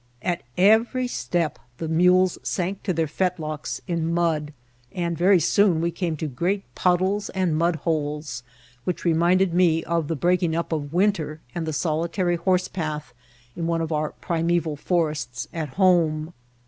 At every step the mules sank to their fetlocks in mud, and very soon we came to great puddles and mudholes, which reminded me of the breaking up of winter and the solitary horsepath in one of our primeval forests at home.